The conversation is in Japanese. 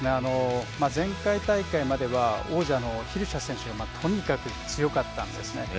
前回大会までは王者のヒルシャー選手がとにかく強かったんですね。